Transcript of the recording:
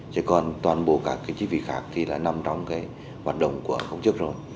chứ còn toàn bộ các cái chi phí khác thì lại nằm trong cái hoạt động của công chức rồi